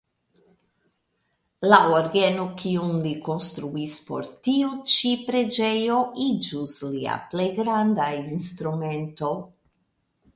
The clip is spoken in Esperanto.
La orgeno kiun li konstruis por tiu ĉi preĝejo iĝus lia plej granda instrumento.